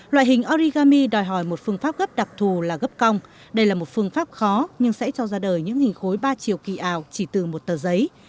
loại hình origami đòi hỏi một phương pháp gấp đặc thù là gấp cong đây là một phương pháp khó nhưng sẽ cho ra đời những hình khối ba chiều kỳ ảo chỉ từ một tờ giấy